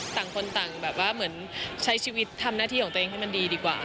ต่างคนต่างแบบว่าเหมือนใช้ชีวิตทำหน้าที่ของตัวเองให้มันดีดีกว่า